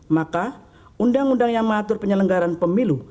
maka undang undang yang mengatur penyelenggaran pemilu